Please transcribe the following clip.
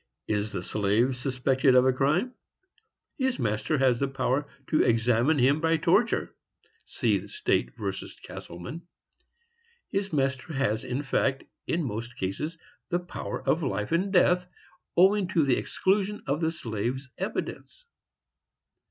Is the slave suspected of a crime? His master has the power to examine him by torture (see State v. Castleman). His master has, in fact, in most cases, the power of life and death, owing to the exclusion of the slave's evidence.